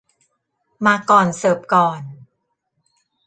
มาก่อน เสิร์ฟก่อน